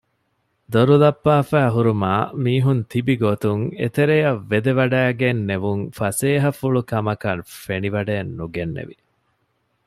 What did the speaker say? ދޮރުލައްޕާފައި ހުރުމާ މީހުންތިބިގޮތުން އެތެރެޔަށް ވެދެވަޑައިގެންނެވުން ފަސޭހަފުޅުކަމަކަށް ފެނިވަޑައެއް ނުގެނެވި